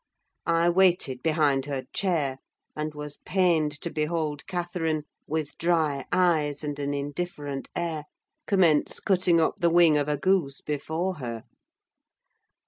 I waited behind her chair, and was pained to behold Catherine, with dry eyes and an indifferent air, commence cutting up the wing of a goose before her.